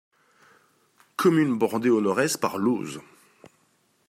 Commune bordée au nord-est par l'Auze.